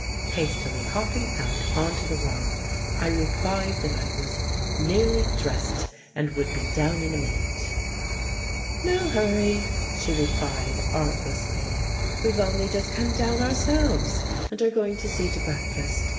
Hastily hopping out on to the rug, I replied that I was "nearly dressed, and would be down in a minute." "No hurry," she replied artlessly, "we've only just come down ourselves, and are going to see to breakfast.